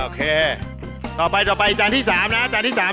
โอเคต่อไปจานที่๓นะจานที่๓แล้วนะ